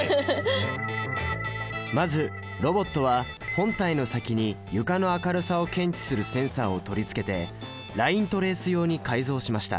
まずロボットは本体の先に床の明るさを検知するセンサを取り付けてライントレース用に改造しました。